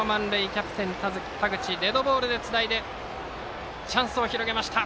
キャプテン田口デッドボールでつないでチャンスを広げました。